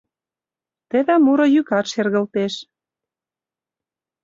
Теве муро йӱкат шергылтеш.